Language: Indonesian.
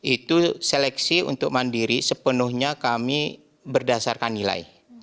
itu seleksi untuk mandiri sepenuhnya kami berdasarkan nilai